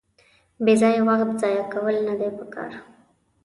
بېځایه وخت ځایه کول ندي پکار.